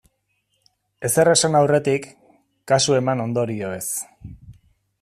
Ezer esan aurretik, kasu eman ondorioez.